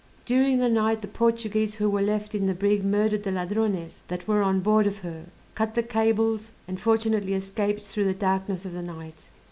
During the night the Portuguese who were left in the brig murdered the Ladrones that were on board of her, cut the cables, and fortunately escaped through the darkness of the night.